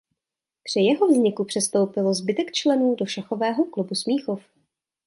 Při jeho zániku přestoupil zbytek členů do Šachového klubu Smíchov.